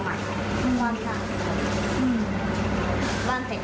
เขาบอกมันไม่ใช่ดีไม่ใช่ดี